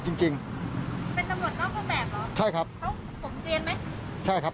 จริงจริงเป็นตำรวจนอกเครื่องแบบเหรอใช่ครับเขาผมเรียนไหมใช่ครับ